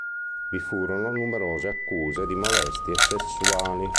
Vi furono numerose accuse di molestie sessuali.